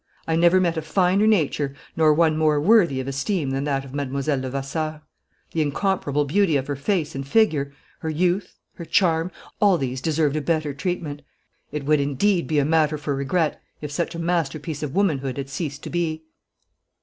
I never met a finer nature nor one more worthy of esteem than that of Mlle. Levasseur. The incomparable beauty of her face and figure, her youth, her charm, all these deserved a better treatment. It would indeed be a matter for regret if such a masterpiece of womankind had ceased to be."